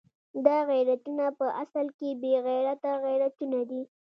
دا غیرتونه په اصل کې بې غیرته غیرتونه دي.